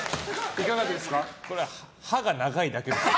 いかがですか？